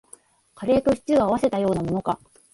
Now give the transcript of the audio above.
カレーとシチューを合わせたようなものか